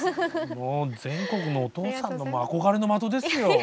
もう全国のお父さんの憧れの的ですよ。